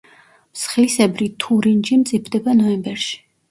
მსხლისებრი თურინჯი მწიფდება ნოემბერში.